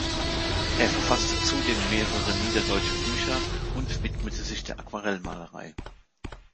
Er verfasste zudem mehrere niederdeutsche Bücher und widmete sich der Aquarellmalerei.